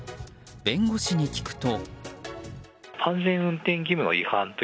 弁護士に聞くと。